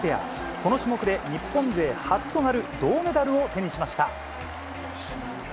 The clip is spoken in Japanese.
この種目で日本勢初となる銅メダルを手にしました。